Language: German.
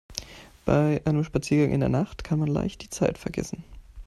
Bei einem Spaziergang in der Nacht kann man leicht die Zeit vergessen.